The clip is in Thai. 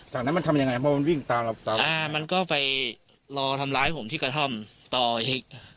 จากนั้นมันทำยังไงเพราะมันวิ่งตามเราซ้ำอ่ามันก็ไปรอทำร้ายผมที่กระท่อมต่ออีก